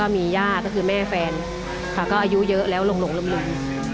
มีญาติก็คือแม่แฟนค่ะก็อายุเยอะแล้วหลงลืม